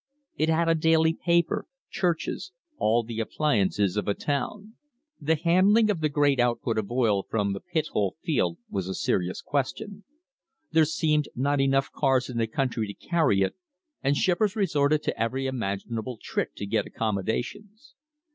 It had a daily paper, churches, all the appli ances of a town. The handling of the great output of oil from the Pithole field was a serious question. There seemed not enough cars in the country to carry it and shippers resorted to every imag inable trick to get accommodations.